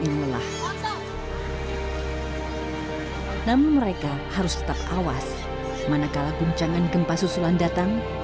yang lelah namun mereka harus tetap awas manakala guncangan gempa susulan datang